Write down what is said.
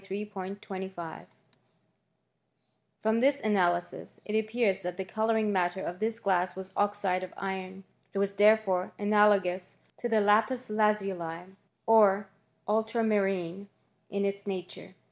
•»• 0* 5 Lime 0 25 93 26 From this analysis it appears that the colouring matter of this glass was oxide of iron : it was therefore ana logous to the lapis lazuli, or ultramarine, in its nature.